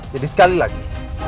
jadi sekali lagi